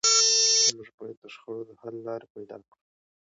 موږ باید د شخړو د حل لارې پیدا کړو.